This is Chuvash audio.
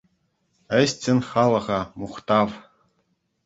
Ӗҫчен халӑха — мухтав!